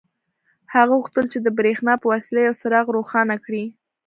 هغه غوښتل چې د برېښنا په وسیله یو څراغ روښانه کړي